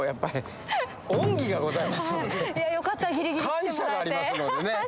感謝がありますのでね。